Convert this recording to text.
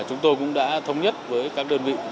chúng tôi cũng đã thống nhất với các đơn vị chức năng